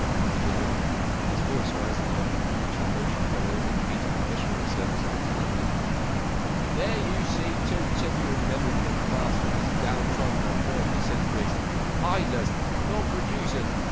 " he was yelling, his voice rising above the perpetual motion fellow's and beating the missionary service all to nothing. 44 There you see two typical members of the class which has down trodden the poor for cen¬ turies. Idlers ! Non producers